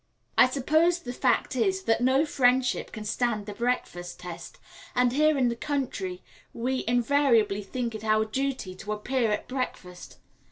I suppose the fact is, that no friendship can stand the breakfast test, and here, in the country, we invariably think it our duty to appear at breakfast.